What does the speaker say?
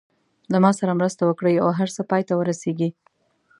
له ما سره مرسته وکړي او هر څه پای ته ورسېږي.